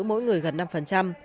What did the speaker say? bà lan nắm giữ gần năm